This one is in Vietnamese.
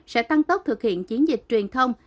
sẽ tăng tốc thực hiện chiến dịch truyền thông